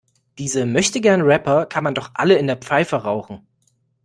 Diese Möchtegern-Rapper kann man doch alle in der Pfeife rauchen.